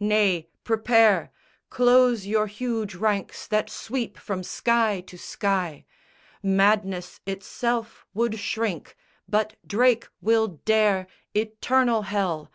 Nay, prepare! Close your huge ranks that sweep from sky to sky! Madness itself would shrink; but Drake will dare Eternal hell!